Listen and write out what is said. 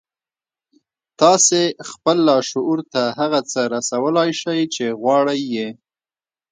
تاسې خپل لاشعور ته هغه څه رسولای شئ چې غواړئ يې.